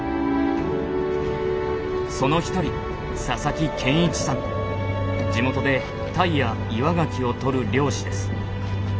その一人地元でタイやイワガキをとる漁師です。